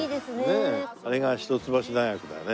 あれが一橋大学だよね。